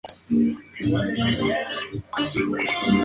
Isabel está enterrada junto a su esposo en Provins.